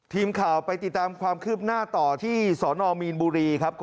ทีมข่าวไปติดตามความคืบหน้าต่อที่สนมีนบุรีครับ